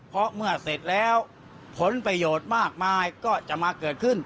เพราะเมื่อเสร็จแล้วผลประโยชน์มากมายก็จะมาเกิดขึ้น